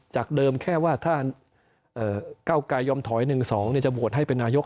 จากเดิมแค่ว่าถ้าก้าวกายยอมถอย๑๒จะโหวตให้เป็นนายก